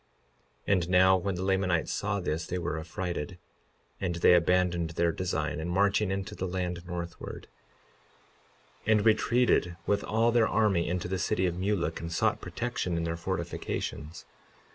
52:2 And now, when the Lamanites saw this they were affrighted; and they abandoned their design in marching into the land northward, and retreated with all their army into the city of Mulek, and sought protection in their fortifications.